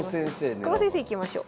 久保先生いきましょう。